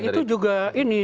itu juga ini